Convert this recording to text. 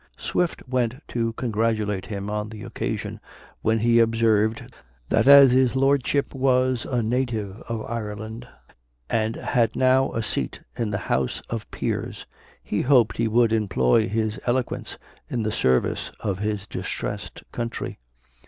Swift went to congratulate him on the occasion, when he observed that as his lordship was a native of Ireland, and had now a seat in the House of Peers, he hoped he would employ his eloquence in the service of his distressed country.